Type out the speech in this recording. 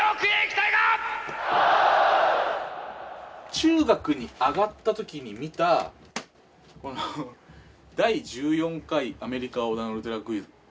中学に上がった時に見たこの「第１４回アメリカ横断ウルトラクイズ」。